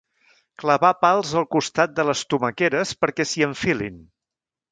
Clavar pals al costat de les tomaqueres perquè s'hi enfilin.